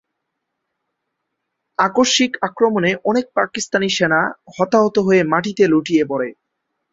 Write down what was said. আকস্মিক আক্রমণে অনেক পাকিস্তানি সেনা হতাহত হয়ে মাটিতে লুটিয়ে পড়ে।